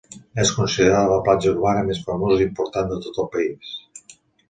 És considerada la platja urbana més famosa i important de tot el país.